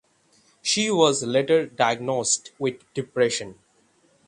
She was later diagnosed with depression.